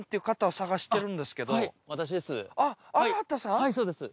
はいそうです。